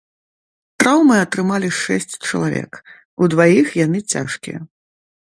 Траўмы атрымалі шэсць чалавек, у дваіх яны цяжкія.